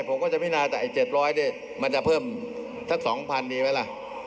ผมก็จะพินาจากไอ้๗๐๐บาทมันจะเพิ่มสัก๒๐๐๐บาทดีไว้ละ